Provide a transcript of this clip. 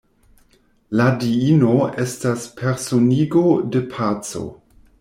La diino estas personigo de paco.